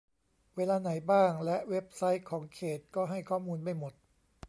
เวลาไหนบ้าง และเว็บไซต์ของเขต ก็ให้ข้อมูลไม่หมด